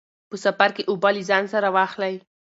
په سفر کې اوبه له ځان سره واخلئ.